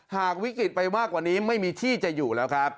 หากวิกฤตไปมากกว่านี้ไม่มีที่จะอยู่แล้วครับ